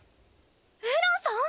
エランさん？